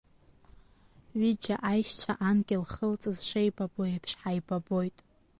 Ҩыџьа аишьцәа анк илхылҵыз шеибабо еиԥш, ҳаибабоит.